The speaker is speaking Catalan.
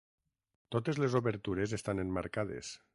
Totes les obertures estan emmarcades.